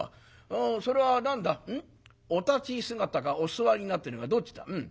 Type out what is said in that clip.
それは何だお立ち姿かお座りになってるのかどっちだ？